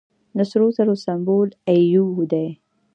د سرو زرو سمبول ای یو دی.